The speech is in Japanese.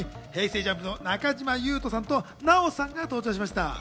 ＪＵＭＰの中島裕翔さんと奈緒さんが登場しました。